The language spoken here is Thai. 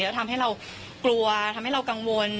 แล้วทำให้เรากลัวทำให้เรากังวล